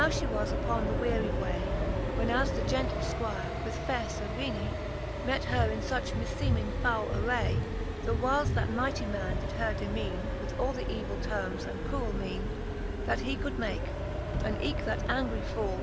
And now fhe was uppon the weary way, When as the gentle Squire, with faire Serene^ Met her in fuch mifTeeming foul array ; The whiles that mighty man did her demeane With all the evill termes and cruel meane, That he could make : And eeke that angry foole.